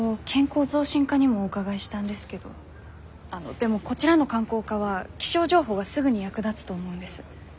でもこちらの観光課は気象情報がすぐに役立つと思うんです。